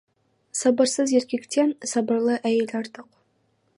Сабырсыз еркектен сабырлы әйел артық.